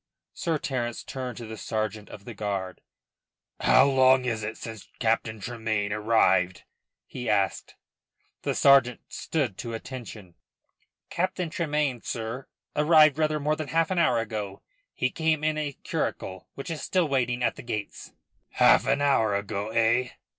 Sir Terence turned to the sergeant of the guard, "How long is it since Captain Tremayne arrived?" he asked. The sergeant stood to attention. "Captain Tremayne, sir, arrived rather more than half an hour ago. He came in a curricle, which is still waiting at the gates." "Half an hour ago, eh?"